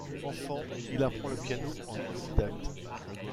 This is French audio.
Enfant, il apprend le piano en autodidacte.